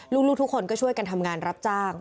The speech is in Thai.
ลูกทุกคนก็ช่วยกันทำงานรับจ้าง